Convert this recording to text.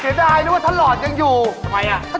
เสียดายนะว่าทะลอดยังอยู่ทำไมล่ะ